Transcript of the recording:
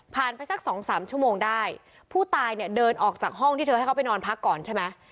ไปสักสองสามชั่วโมงได้ผู้ตายเนี่ยเดินออกจากห้องที่เธอให้เขาไปนอนพักก่อนใช่ไหม